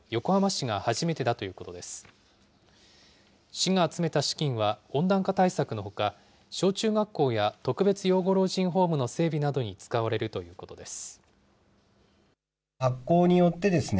市が集めた資金は温暖化対策のほか、小中学校や特別養護老人ホームの整備などに使われるということです。